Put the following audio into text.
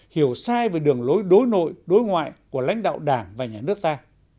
hiểu sai về đường lối đối nội đối ngoại của lãnh đạo đảng và nhà nước ta